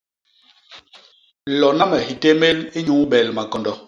Lona me hitémél inyuu bel makondo.